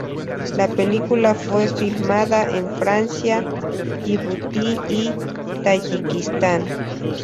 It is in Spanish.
La película fue filmada en Francia, Yibuti y Tayikistán.